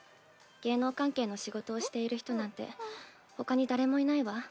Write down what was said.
芸能関係の仕事をしている人なんてほかに誰もいないわ。